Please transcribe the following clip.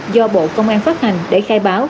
do bộ công an phát hành để khai báo